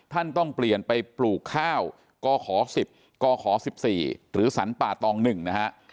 ท่านต้องเปลี่ยนไปปลูกข้าวกข๑๐กข๑๔หรือสรรป่าตอง๑นะฮะ